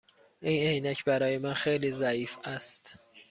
این عینک برای من خیلی ضعیف است.